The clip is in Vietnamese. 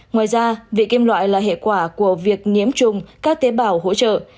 ngoài ra vị kim loại là hệ quả của việc nhiếm trùng các tế bào hỗ trợ